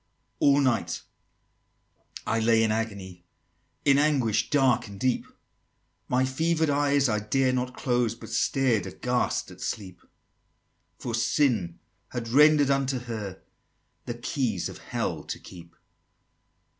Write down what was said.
XXV. "All night I lay in agony, In anguish dark and deep; My fever'd eyes I dared not close, But stared aghast at Sleep: For Sin had render'd unto her The keys of Hell to keep!"